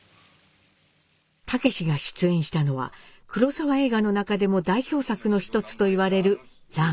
武司が出演したのは黒澤映画の中でも代表作の一つと言われる「乱」。